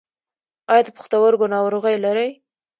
ایا د پښتورګو ناروغي لرئ؟